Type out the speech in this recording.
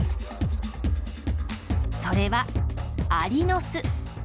それはアリの巣。